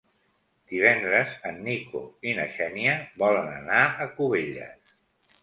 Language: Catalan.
Divendres en Nico i na Xènia volen anar a Cubelles.